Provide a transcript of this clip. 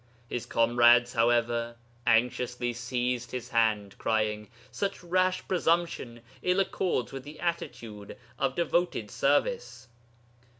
His comrades, however, anxiously seized his hand, crying, "Such rash presumption ill accords with the attitude of devoted service."